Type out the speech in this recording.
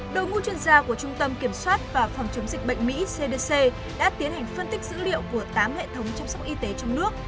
đội ngũ chuyên gia của trung tâm kiểm soát và phòng chống dịch bệnh mỹ cdc đã tiến hành phân tích dữ liệu của tám hệ thống chăm sóc y tế trong nước